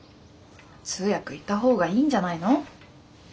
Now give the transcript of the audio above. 通訳いた方がいいんじゃないの？